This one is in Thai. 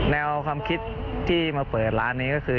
แนวความคิดที่มาเปิดร้านนี้ก็คือ